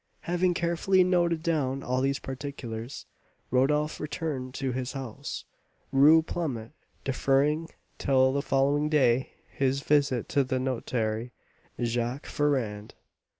Having carefully noted down all these particulars, Rodolph returned to his house, Rue Plumet, deferring till the following day his visit to the notary, Jacques Ferrand.